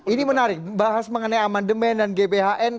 ini menarik bahas mengenai amandemen dan gbhn